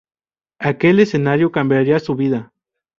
Aquel escenario cambiaría su vida.